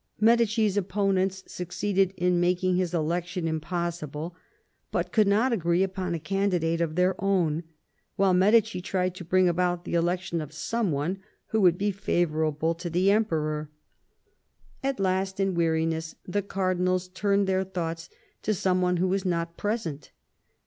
Medici's opponents succeeded in making his election impossible, but could not agree upon a candidate of their own ; while Medici tried to bring about the election of some one who would be favourable to the Emperor. At last in weariness the cardinals turned their thoughts to some one who was not present.